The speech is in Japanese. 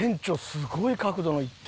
すごい角度のいって。